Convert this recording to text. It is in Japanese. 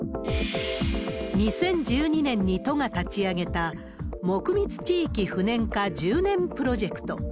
２０１２年に都が立ち上げた、木密地域不燃化１０年プロジェクト。